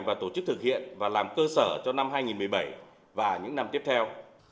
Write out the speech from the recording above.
và tổ chức thực hiện và làm cơ sở cho năm hai nghìn một mươi bảy và những năm tiếp theo